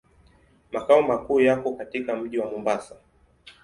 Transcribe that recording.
Makao makuu yako katika mji wa Mombasa.